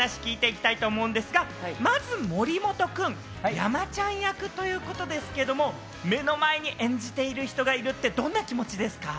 どしどしお話を聞いていきたいと思うんですが、まず森本君、山ちゃん役ということですけど、目の前に演じている人がいるって、どんな気持ちですか？